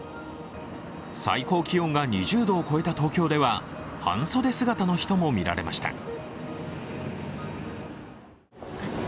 最高気温が２０度を超えた東京では半袖姿の人も見られました。